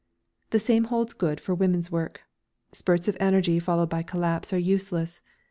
The same holds good for women's work. Spurts of energy followed by collapse are useless.